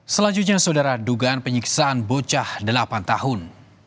selanjutnya saudara dugaan penyiksaan bocah delapan tahun